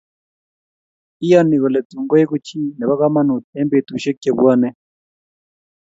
Iyoni kole tun koeku chi nebo komonut eng betusiek chebwine